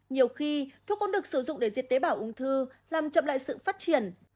nhiều khi thuốc cũng được sử dụng để diệt tế bảo ung thư làm chậm lại sự phát triển